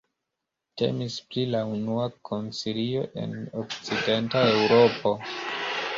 Temis pri la unua koncilio en okcidenta Eŭropo.